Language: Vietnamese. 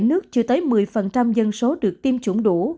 ba mươi bảy nước chưa tới một mươi dân số được tiêm chủng đủ